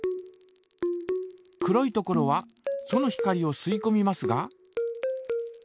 黒いところはその光をすいこみますが。